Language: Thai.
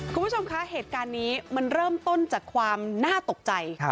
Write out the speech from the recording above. คุณผู้ชมคะเหตุการณ์นี้มันเริ่มต้นจากความน่าตกใจ